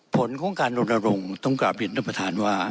ผลของการรณรงค์ต้องกลับเรียนท่านประธานว่า